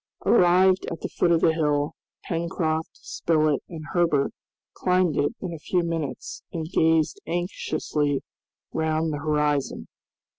Arrived at the foot of the hill, Pencroft, Spilett, and Herbert climbed it in a few minutes, and gazed anxiously round the horizon.